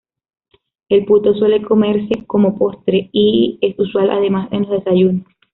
El "puto" suele comerse como postre, y es usual además en los desayunos.